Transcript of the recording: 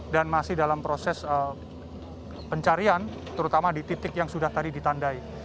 dan masih dalam proses pencarian terutama di titik yang sudah tadi ditandai